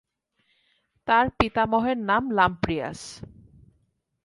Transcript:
তার পিতামহের নাম লাম্প্রিয়াস।